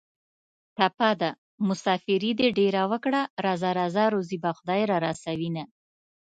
ټپه ده: مسافري دې ډېره وکړه راځه راځه روزي به خدای را رسوینه